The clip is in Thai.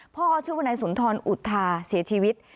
ชื่อวนายสุนทรอุทาเสียชีวิต